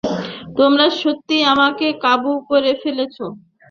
তোমরা সত্যিই আমাকে কাবু করে ফেলেছ।